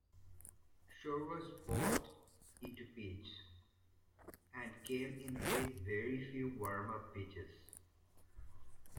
Shore was brought in to pitch, and came in with very few warmup pitches.